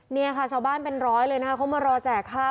เนี่ยค่ะชาวบ้านเป็นร้อยเลยนะคะเขามารอแจกข้าว